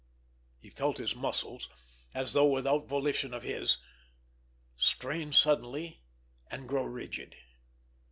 _ He felt his muscles, as though without volition of his, strain suddenly and grow rigid.